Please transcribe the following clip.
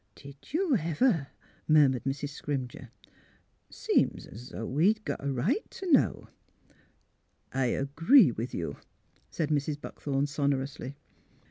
Did you ever! " murmured Mrs. Scrimger. *' Seem's 'o' we'd got a right t' know." '' I agree with you," said Mrs. Buckthorn, sonorously.